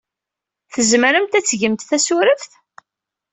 Tzemremt ad tgemt tasureft?